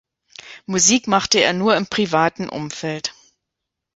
Musik machte er nur im privaten Umfeld.